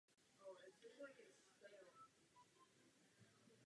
Mara stepní je velice zvláštní savec a svým vzhledem připomíná spíše zajíce.